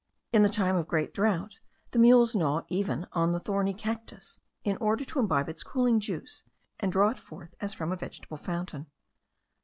In the time of great drought the mules gnaw even the thorny cactus* in order to imbibe its cooling juice, and draw it forth as from a vegetable fountain.